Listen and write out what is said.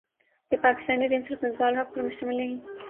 کہ پاکستانی ٹیم صرف مصباح الحق پر مشتمل نہیں